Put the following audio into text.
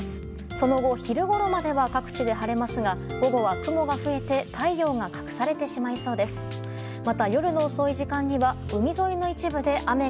その後、昼ごろまでは各地で晴れますが午後は雲が増えて太陽が隠されてしまいそうです。